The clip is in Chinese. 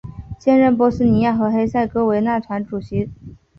现任波斯尼亚和黑塞哥维那主席团主席。